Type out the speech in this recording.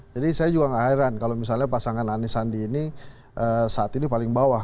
jadi saya juga gak heran kalau misalnya pasangan anies andi ini saat ini paling bawah